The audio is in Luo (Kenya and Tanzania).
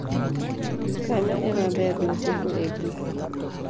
kanyo ema ber nochopo e giko